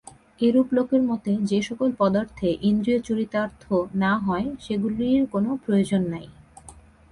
এরূপ লোকের মতে যে-সকল পদার্থে ইন্দ্রিয় চরিতার্থ না হয়, সেগুলির কোন প্রয়োজন নাই।